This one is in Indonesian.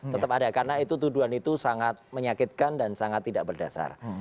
tetap ada karena itu tuduhan itu sangat menyakitkan dan sangat tidak berdasar